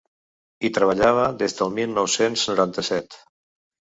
Hi treballava des del mil nou-cents noranta-set.